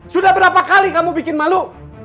sudah berapa kali kamu bikin malu